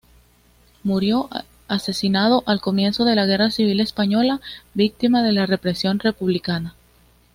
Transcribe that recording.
Murió asesinado al comienzo de la Guerra Civil Española, víctima de la represión republicana.